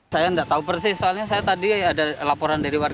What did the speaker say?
saya nggak tahu persis soalnya saya tadi ada laporan dari warga